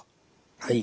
はい。